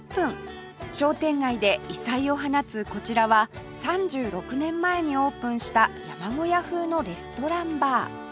商店街で異彩を放つこちらは３６年前にオープンした山小屋風のレストランバー